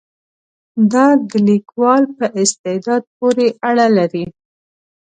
دا د لیکوال په استعداد پورې اړه لري.